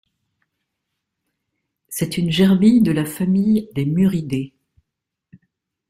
C'est une gerbille de la famille des Muridés.